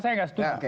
saya nggak setuju